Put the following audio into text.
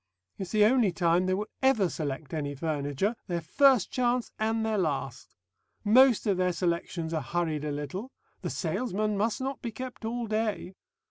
It's the only time they will ever select any furniture, their first chance and their last. Most of their selections are hurried a little. The salesman must not be kept all day....